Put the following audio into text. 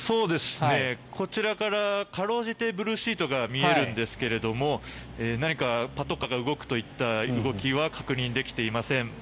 こちらから辛うじてブルーシートが見えるんですが何かパトカーが動くといった動きは確認できていません。